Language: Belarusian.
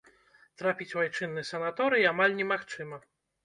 Трапіць у айчынны санаторый амаль немагчыма.